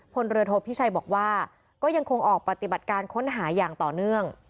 พลเรือโทพิชัยบอกว่าก็ยังคงออกปฏิบัติการค้นหาอย่างต่อเนื่อง